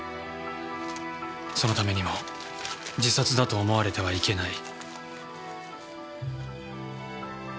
そのためにも自殺だと思われてはいけない。